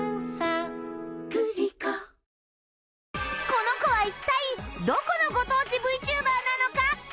この子は一体どこのご当地 ＶＴｕｂｅｒ なのか？